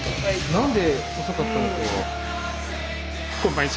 何で遅かったのか。